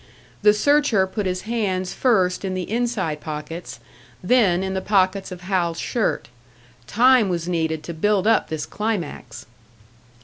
The searcher put his hands first in the inside pockets, then in the pockets of Hal's shirt. Time was needed to build up this climax!